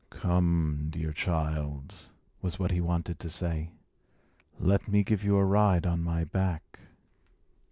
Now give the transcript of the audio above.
"Come, dear child," was what he wanted to say, "let me give you a ride on my back."